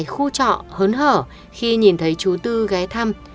khu trọ hớn hở khi nhìn thấy chú tư ghé thăm